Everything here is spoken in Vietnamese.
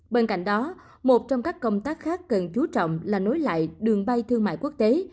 bên cạnh đó một trong các công tác khác cần chú trọng là nối lại đường bay thương mại quốc tế